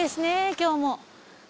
今日も。